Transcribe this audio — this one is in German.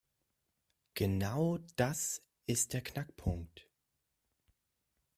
Genau das ist der Knackpunkt.